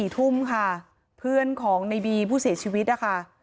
๔ทุ่มค่ะเพื่อนของในบีผู้เสียชีวิตนะคะ